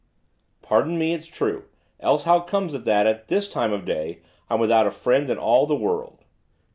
'Pardon me, it's true, else how comes it that, at this time of day, I'm without a friend in all the world?